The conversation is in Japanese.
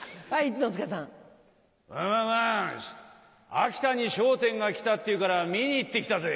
秋田に『笑点』が来たっていうから見に行ってきたぜ。